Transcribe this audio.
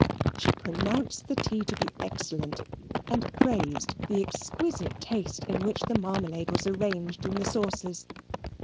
She pronounced the tea to be excellent, and praised the exquisite taste in which the marmalade was arranged in the saucers.